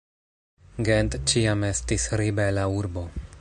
Gent ĉiam estis ribela urbo.